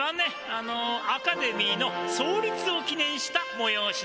あのアカデミーの創立を記念したもよおしです。